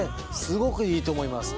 すごくいいと思います